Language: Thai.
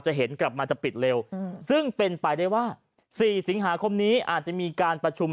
เห็นกลับมาจะปิดเร็วซึ่งเป็นไปได้ว่า๔สิงหาคมนี้อาจจะมีการประชุม